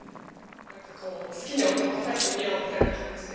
なんかこう好きに音をたたいてみようみたいな気持ちで。